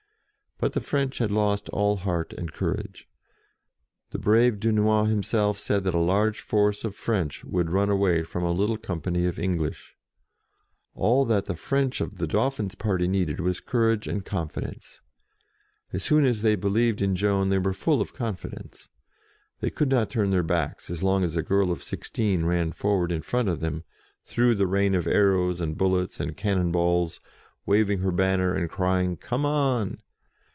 But the French had lost all heart and courage: the brave Dunois himself said that a large force of French would run away from a little company of English. All that the French of the Dauphin's party needed was courage and confidence. As soon as they believed in Joan they were full of con fidence. They could not turn their backs as long as a girl of sixteen ran forward in front of them, through the rain of arrows, SEES THE DAUPHIN 33 and bullets, and cannon balls, waving her banner, and crying " Come on